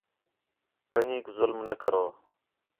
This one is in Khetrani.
کہنیک ظلم نہ کرو